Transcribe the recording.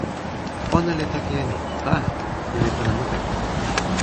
ona li toki e ni: a! ni li pona mute.